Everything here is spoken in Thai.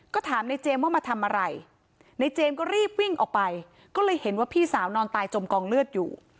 ก็ถามในเจมส์ว่ามาทำอะไรในเจมส์ก็รีบวิ่งออกไปก็เลยเห็นว่าพี่สาวนอนตายจมกองเลือดอยู่